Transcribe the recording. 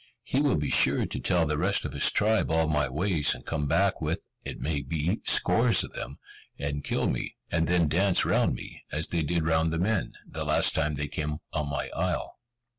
He will be sure to tell the rest of his tribe all my ways, and come back with, it may be, scores of them, and kill me, and then dance round me, as they did round the men, the last time they came on my isle.